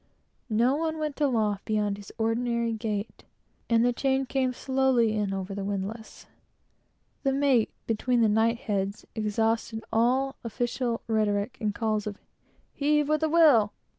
No one went aloft beyond his ordinary gait, and the chain came slowly in over the windlass. The mate, between the knight heads, exhausted all his official rhetoric, in calls of "Heave with a will!"